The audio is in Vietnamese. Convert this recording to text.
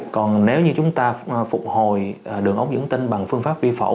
còn nếu như chúng ta phục hồi đường ống dẫn tinh bằng phương pháp vi phẫu